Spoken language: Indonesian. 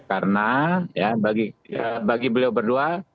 karena ya bagi beliau berdua